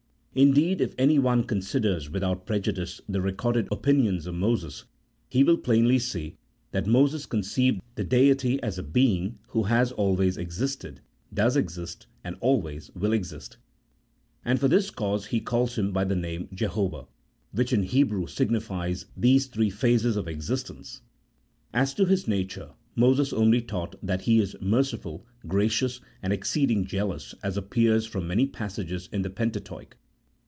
Indeed, if any one considers without prejudice the recorded opinions of Moses, he will plainly see that Moses conceived the Deity as a Being Who has always existed, does exist, and always will exist, and for this cause he calls Him by the name Jehovah, which in Hebrew signifies these three phases of existence : as to His nature, Moses only taught that He is merciful, gracious, and exceeding jealous, as appears from many passages in the Pentateuch.